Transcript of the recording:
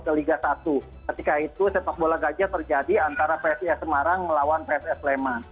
ketika itu sepak bola gajah terjadi antara psi s semarang melawan pss lema